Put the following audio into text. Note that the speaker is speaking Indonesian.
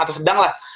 atau sedang lah